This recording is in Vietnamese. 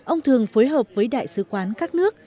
ông thường phối hợp với đại sứ quán các nước